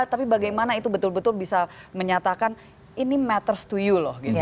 tapi bagaimana itu betul betul bisa menyatakan ini matters to you loh